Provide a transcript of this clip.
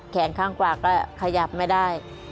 ข้างกว่าก็ขยับไม่ได้